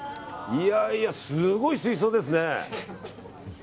すごい水槽ですね。